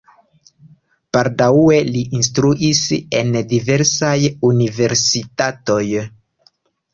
Baldaŭe li instruis en diversaj universitatoj.